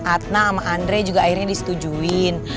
atna sama andre juga akhirnya disetujuin